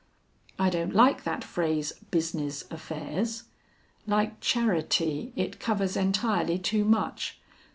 "I don't like that phrase, business affairs; like charity, it covers entirely too much.